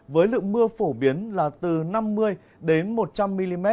với lượng mưa phổ biến là từ năm mươi đến một trăm linh mm